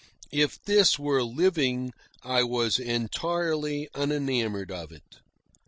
If this were living, I was entirely unenamoured of it.